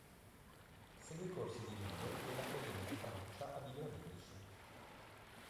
Segue i corsi di Nudo dell'Accademia di Francia a Villa Medici.